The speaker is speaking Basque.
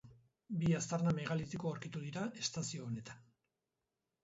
Bi aztarna megalitiko aurkitu dira estazio honetan.